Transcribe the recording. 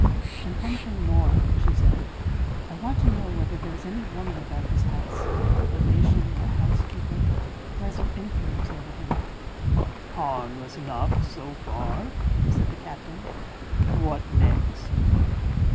"And one thing more," she said; "I want to know whether there is any woman about his house—a relation, or a housekeeper—who has an influence over him." "Harmless enough, so far," said the captain. "What next?"